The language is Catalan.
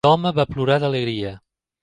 L'home va plorar d'alegria.